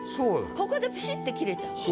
ここでピシッて切れちゃう。